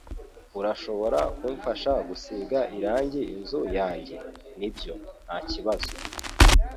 Urashobora kumfasha gusiga irangi inzu yanjye?" "Nibyo. Nta kibazo."